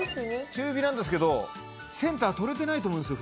中火なんですけどセンター取れてないと思うんですよ